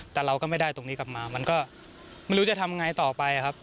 แต่เราก็ไม่ได้ตรงนี้กลับมามันก็ไม่รู้จะทำไงต่อไปครับ